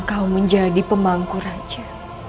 kau menjadi pemangku raja